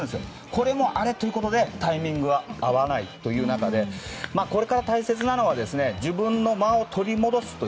これも、あれ？ということでタイミングが合わないということでこれから大切なのは自分の間を取り戻すと。